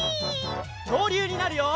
きょうりゅうになるよ！